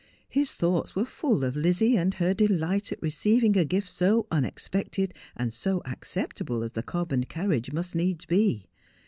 His thoughts were full of Lizzie and her delight at receiving a gift so unexpected and so acceptable as the cob and carriage must needs be.